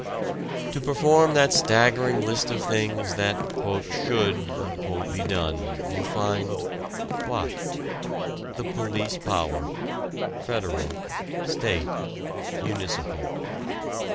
To perform that staggering list of things that "should" be done you find what? the police power, federal, state, municipal.